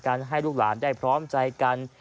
ให้ลูกหลานได้พร้อมใจกัน